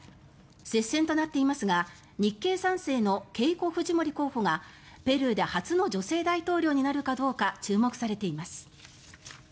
接戦となっていますが日系３世のケイコ・フジモリ候補がペルーで初の女性大統領になるかどうか注目されています。